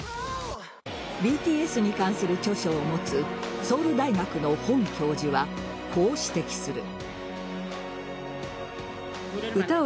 ＢＴＳに関する著書を持つソウル大学のホン教授はこう指摘する。